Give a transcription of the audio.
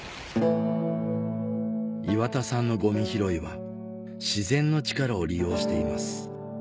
岩田さんのゴミ拾いは自然の力を利用しています